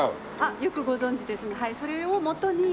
よくご存じですね。